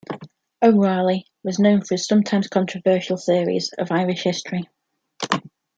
O'Rahilly was known for his sometimes controversial theories of Irish history.